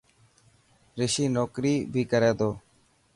رشي نوڪري بهي ڪري ٿو.